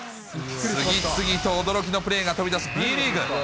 次々と驚きのプレーが飛び出すＢリーグ。